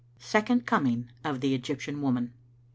SECOND COMING OF THE EGYPTIAN WOMAN.